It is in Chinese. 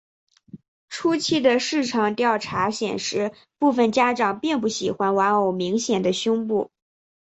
初期的市场调查显示部份家长并不喜欢玩偶明显的胸部。